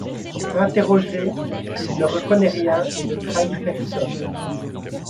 Interrogé, il ne reconnaît rien et ne trahit personne.